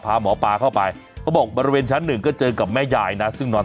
เพราะต้องอยู่บ้านหลังเดียวกันไง